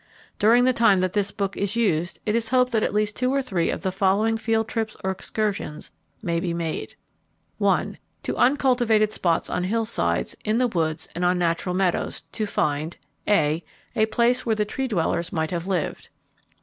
During the time that this book is used it is hoped that at least two or three of the following field trips or excursions may be made: 1. To uncultivated spots on hillsides, in the woods, and on natural meadows to find (a) A place where the Tree dwellers might have lived.